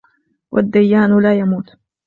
وَالدَّيَّانُ لَا يَمُوتُ